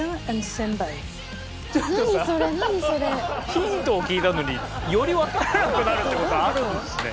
ヒントを聞いたのによりわからなくなるって事あるんですね。